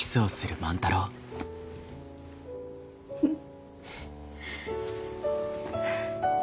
フッ。